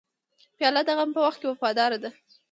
پیاله د غم په وخت وفاداره ده.